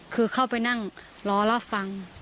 คือเข้าไปนั่งรอรับฟัง